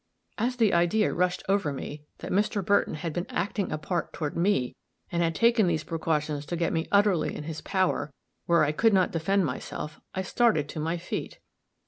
As the idea rushed over me that Mr. Burton had been acting a part toward me, and had taken these precautions to get me utterly in his power, where I could not defend myself, I started to my feet.